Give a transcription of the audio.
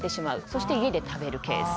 そして、家で食べるケース。